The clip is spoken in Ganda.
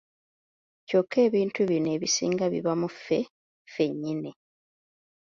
Kyokka ebintu bino ebisinga biba mu ffe ffennyini.